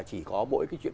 chỉ có mỗi cái chuyện